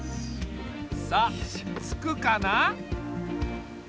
さあつくかな？